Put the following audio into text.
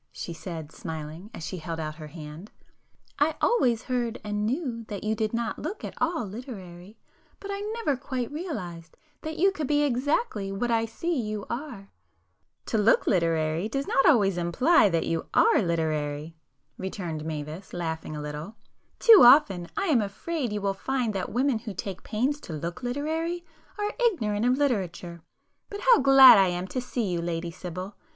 she said, smiling, as she held out her hand—"I always heard and knew that you did not look at all literary, but I never quite realized that you could be exactly what I see you are!" "To look literary does not always imply that you are literary!" returned Mavis, laughing a little—"Too often I am afraid you will find that the women who take pains to look literary are ignorant of literature! But how glad I am to see you, Lady Sibyl!